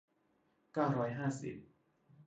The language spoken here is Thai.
เก้าร้อยห้าสิบ